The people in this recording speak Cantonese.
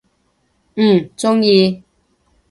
嗯，中意！